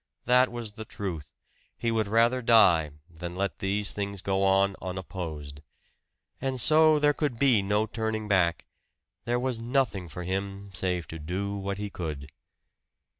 That was the truth, he would rather die than let these things go on unopposed. And so there could be no turning back there was nothing for him save to do what he could.